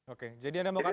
oke jadi anda mau katakan